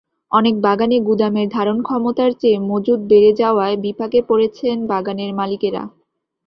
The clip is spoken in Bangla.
অনেক বাগানে গুদামের ধারণক্ষমতার চেয়ে মজুত বেড়ে যাওয়ায় বিপাকে পড়েছেন বাগানের মালিকেরা।